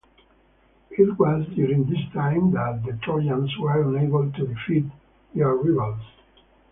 It was during this time that the Trojans were unable to defeat their rivals.